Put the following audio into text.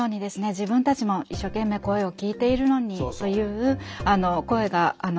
自分たちも一生懸命声を聴いているのにという声が聞かれることもあります。